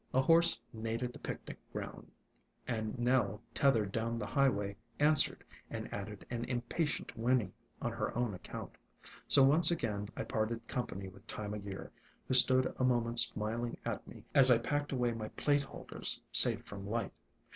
A horse neighed at the pic nic ground, and Nell, tethered down the highway, answered and added an impatient whinny on her own account. So once again I parted company with Time o' Year, who stood a moment smiling at me as I packed away my plate holders safe from light.